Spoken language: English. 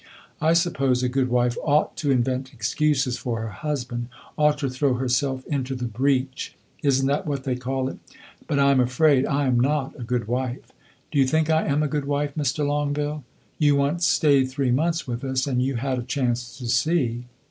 I suppose a good wife ought to invent excuses for her husband ought to throw herself into the breach; is n't that what they call it? But I am afraid I am not a good wife. Do you think I am a good wife, Mr. Longueville? You once stayed three months with us, and you had a chance to see.